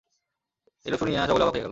এইরূপ উত্তর শুনিয়া সকলে অবাক হইয়া গেল।